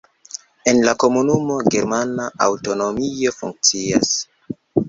En la komunumo germana aŭtonomio funkcias.